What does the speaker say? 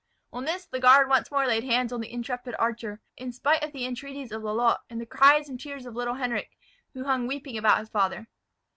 On this the guard once more laid hands on the intrepid archer, whom they seized and bound, in spite of the entreaties of Lalotte, and the cries and tears of little Henric, who hung weeping about his father.